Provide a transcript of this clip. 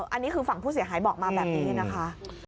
อันนี้คือฝั่งผู้เสียหายบอกมาแบบนี้นะคะ